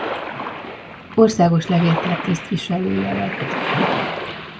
Országos Levéltár tisztviselője lett.